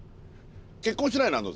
結婚してないの？